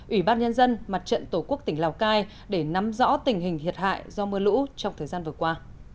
ủy ban nhân dân mặt trận tổ quốc tỉnh lào cai để nắm rõ tình hình thiệt hại do mưa lũ trong thời gian vừa qua